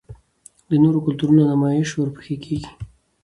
د نورو کلتورونو نمائش ورپکښې کـــــــــــــــــېږي